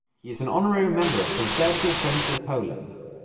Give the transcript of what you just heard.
He is an honorary member of Conservative Friends of Poland.